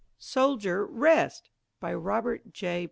SOLDIER, REST! BY ROBERT J.